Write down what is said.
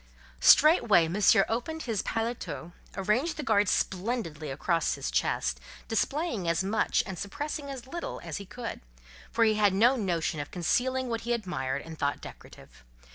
Straightway Monsieur opened his paletôt, arranged the guard splendidly across his chest, displaying as much and suppressing as little as he could: for he had no notion of concealing what he admired and thought decorative.